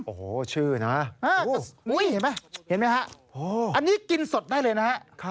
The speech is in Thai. โอ้โหชื่อนะอุ้ยอ้าวเห็นมั้ยอันนี้กินสดได้เลยนะครับ